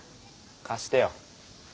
貸してよ。